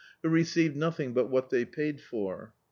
who receive nothing but what they paid for.